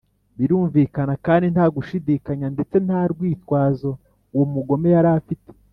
birumvikana, kandi nta gushidikanya ndetse nta rwitwazo uwo mugome yari agifite